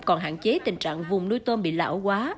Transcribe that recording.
còn hạn chế tình trạng vùng nuôi tôm bị lão quá